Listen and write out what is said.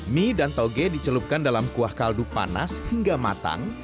mie dan toge dicelupkan dalam kuah kaldu panas hingga matang